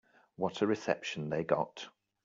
What a reception they got.